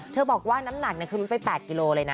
เธอบอกว่าน้ำหนักคือลดไป๘กิโลกิลละนะ